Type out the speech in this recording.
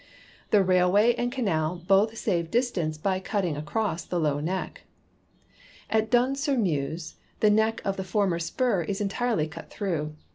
The railway and canal both save dis tance by cutting across the low neck. At Dun sur Meuse the neck of a former spur is entirely cut through.